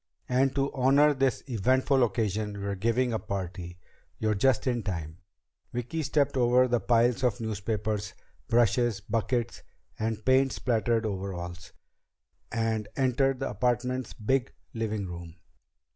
And to honor this eventful occasion, we're giving a party. You're just in time." Vicki stepped over the piles of newspapers, brushes, buckets and paint splattered overalls, and entered the apartment's big living room.